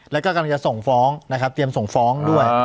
แล้วก็กำลังจะส่งฟ้องนะครับเตรียมส่งฟ้องด้วย